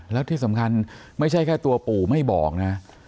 แล้วที่สำคัญไม่ใช่แค่ตัวปู่ไม่บอกนะ